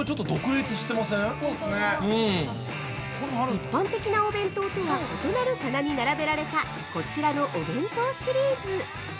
一般的なお弁当とは異なる棚に並べられたこちらのお弁当シリーズ。